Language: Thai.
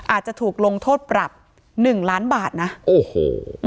อาจจะถูกลงโทษปรับหนึ่งล้านบาทนะโอ้โห